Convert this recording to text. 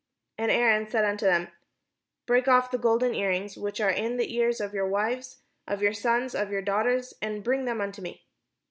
And Aaron said unto them: "Break off the golden earrings, which are in the ears of your wives, of your sons, and of your daughters, and bring them unto me."